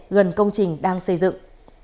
gần công trình đang xây dựng